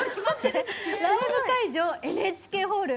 ライブ会場、ＮＨＫホール。